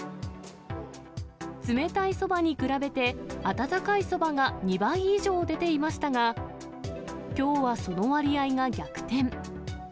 冷たいそばに比べて、温かいそばが２倍以上出ていましたが、きょうはその割合が逆転。